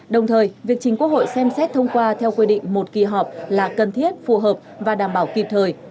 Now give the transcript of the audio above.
đồng thời việc chính quốc hội xem xét thông qua theo quy định một kỳ họp là cần thiết phù hợp và đảm bảo kịp thời